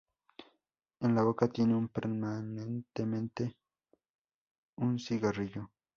En la boca tiene permanentemente un cigarrillo.